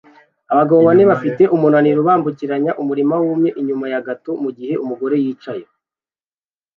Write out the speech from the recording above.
Abagabo bane bafite umunaniro bambukiranya umurima wumye inyuma ya Gator mugihe umugore yicaye ku ruziga